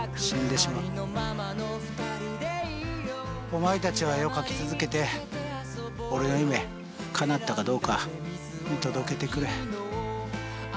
お前たちは絵を描き続けて俺の夢かなったかどうか見届けてくれ。